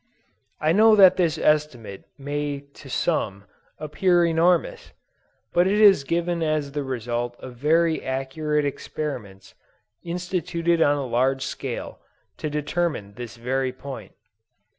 I know that this estimate may to some, appear enormous; but it is given as the result of very accurate experiments, instituted on a large scale, to determine this very point.